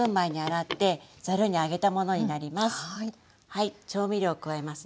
はい調味料を加えますね。